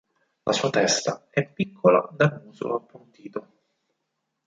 La sua testa è piccola dal muso appuntito.